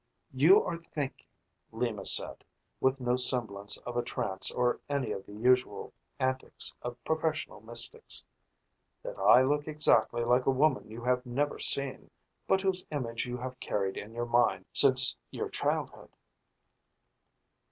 "You are thinking," Lima said, with no semblance of a trance or any of the other usual antics of professional mystics, "that I look exactly like a woman you have never seen, but whose image you have carried in your mind since your childhood."